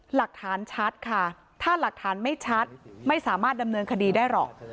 หลักฐานชัดค่ะถ้าหลักฐานไม่ชัดไม่สามารถดำเนินคดีได้หรอก